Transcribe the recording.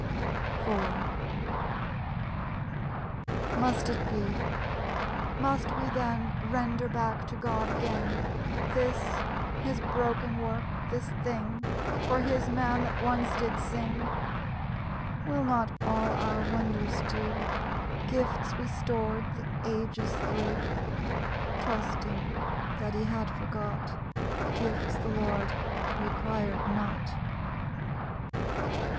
_ IV Must it be? Must we then Render back to God again This His broken work, this thing, For His man that once did sing? Will not all our wonders do? Gifts we stored the ages through, (Trusting that He had forgot) Gifts the Lord requirèd not?